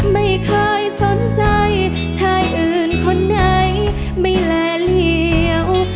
ไม่เคยสนใจชายอื่นคนใดไม่แลเหลี่ยว